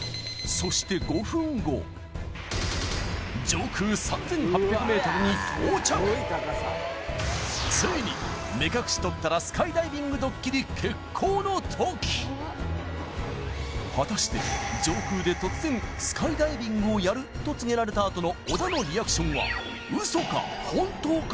そして５分後ついに目隠し取ったらスカイダイビングドッキリ決行の時果たして上空で突然スカイダイビングをやると告げられたあとの小田のリアクションはウソか？